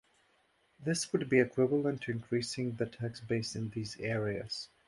This would be equivalent to increasing the tax base in these areas.